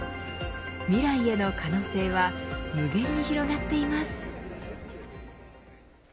未来への可能性は無限に広がっています。